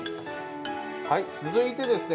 はい続いてですね